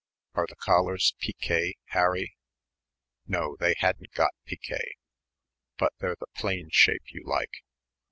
Are the collars piquet, Harry?" "No, they hadn't got piquet, but they're the plain shape you like.